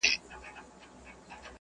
انسان باید خپل کرامت پخپله وساتي.